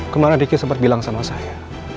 kemarin riki sempat bilang sama saya